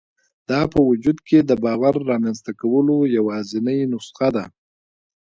دا په وجود کې د باور رامنځته کولو یوازېنۍ نسخه ده